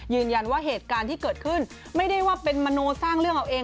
เหตุการณ์ที่เกิดขึ้นไม่ได้ว่าเป็นมโนสร้างเรื่องเอาเอง